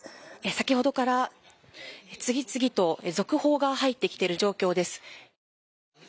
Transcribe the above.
先ほどから次々と続報が入ってきている状況です。